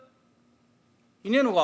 いねえのか？